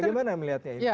bagaimana melihatnya ini